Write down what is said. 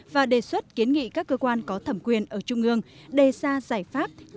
và đề xuất kiến nghị các cơ quan có thẩm quyền ở trung ương đề ra giải pháp